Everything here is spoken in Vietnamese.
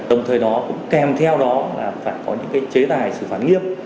đồng thời đó cũng kèm theo đó là phải có những chế tài sự phản nghiêm